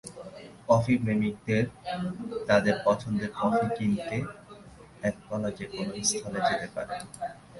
Coffee প্রেমীদের তাদের পছন্দের কফি কিনতে একতলা যেকোনো স্থলে যেতে পারেন।